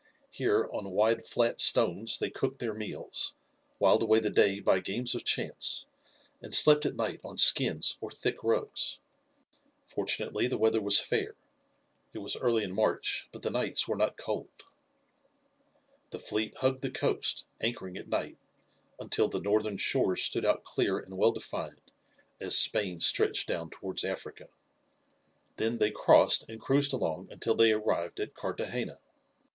Here, on wide flat stones, they cooked their meals, whiled away the day by games of chance, and slept at night on skins or thick rugs. Fortunately the weather was fair. It was early in March, but the nights were not cold. The fleet hugged the coast, anchoring at night, until the northern shores stood out clear and well defined as Spain stretched down towards Africa. Then they crossed and cruised along until they arrived at Carthagena.